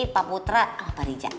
pak putra pak rija